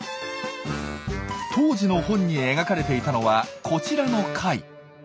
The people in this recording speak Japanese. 当時の本に描かれていたのはこちらの貝。